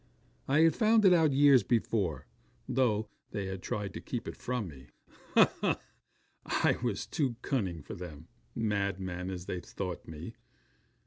I had found it out years before, though they had tried to keep it from me. Ha! ha! I was too cunning for them, madman as they thought me.